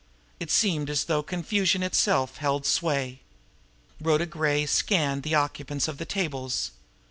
It seemed as though confusion itself held sway! Rhoda Gray scanned the occupants of the tables.